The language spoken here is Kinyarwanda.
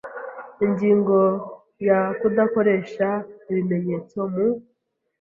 Ingingo ya Kudakoresha ibimenyetso mu